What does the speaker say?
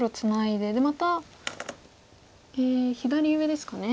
でまた左上ですかね